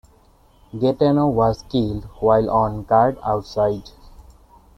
Gaetano was killed while on guard outside.